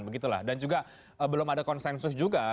begitulah dan juga belum ada konsensus juga